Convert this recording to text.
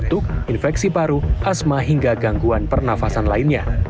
batuk infeksi paru asma hingga gangguan pernafasan lainnya